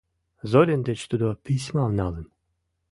Зорин деч тудо письмам налын.